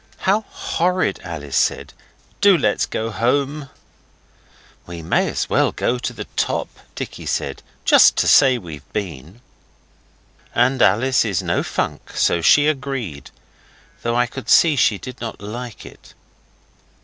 'How horrid!' Alice said. 'Do let's get home.' 'We may as well go to the top,' Dicky said, 'just to say we've been.' And Alice is no funk so she agreed; though I could see she did not like it.